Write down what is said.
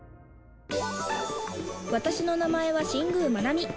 「私の名前は新宮まなみ」